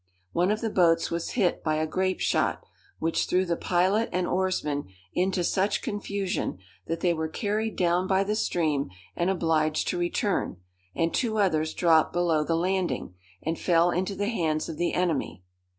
One of the boats was hit by a grape shot, which threw the pilot and oarsmen into such confusion, that they were carried down by the stream and obliged to return, and two others dropped below the landing, and fell into the hands of the enemy.